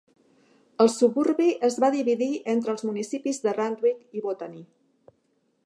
El suburbi es va dividir entre els municipis de Randwick i Botany.